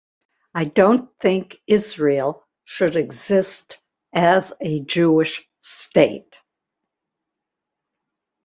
I don't think Israel should exist as a Jewish state.